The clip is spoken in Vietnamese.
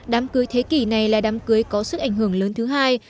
đám cưới thế kỷ này là đám cưới có sức ảnh hưởng lớn thứ hai